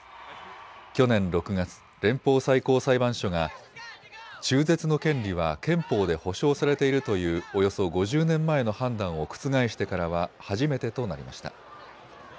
去年６月、連邦最高裁判所が中絶の権利は憲法で保障されているというおよそ５０年前の判断を覆してからは初めてとなりました。